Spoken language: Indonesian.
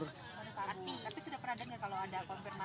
tapi sudah pernah dengar kalau ada konfirmasi itu palsu beritanya